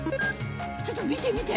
ちょっと見て見て！